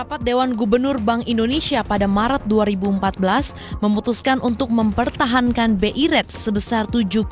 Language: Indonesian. rapat dewan gubernur bank indonesia pada maret dua ribu empat belas memutuskan untuk mempertahankan bi rate sebesar